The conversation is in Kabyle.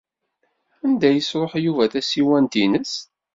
Anda ay yesṛuḥ Yuba tasiwant-nnes?